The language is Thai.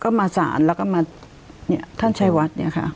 ก็มาสารแล้วก็มาเนี่ยท่านชัยวัดเนี่ยค่ะ